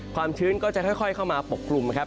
ความชื้นก็จะค่อยเข้ามาปกกลุ่มครับ